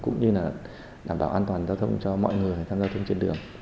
cũng như là đảm bảo an toàn giao thông cho mọi người tham gia thông trên đường